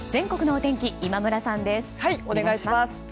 お願いします。